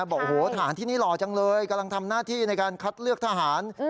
บอกโอ้โหทหารที่นี่หล่อจังเลยกำลังทำหน้าที่ในการคัดเลือกทหาร